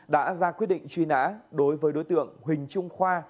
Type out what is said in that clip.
đã ra quyết định truy nã đối với đối tượng huỳnh trung khoa